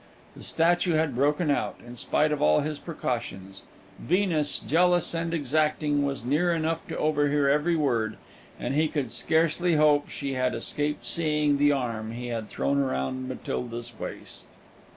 The statue had broken out, in spite of all his precautions! Venus, jealous and exacting, was near enough to overhear every word, and he could scarcely hope she had escaped seeing the arm he had thrown round Matilda's waist.